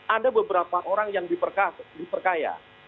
ada beberapa orang yang diperkaya